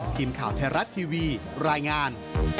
ทีมข่าวไทยรัฐทีวีรายงาน